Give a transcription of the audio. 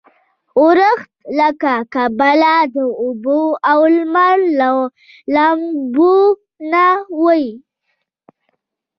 ورښت له کبله د اوبو او لمر لمباوې نه وې.